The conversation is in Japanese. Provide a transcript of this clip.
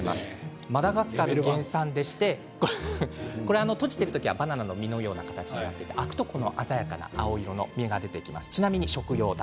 マダガスカル原産で閉じている時はバナナの実のような形で実が開くと鮮やかな実が出てきます。